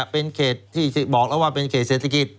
เป็นเขตที่บอกแล้วว่าเป็นเขตเศรษฐกิจ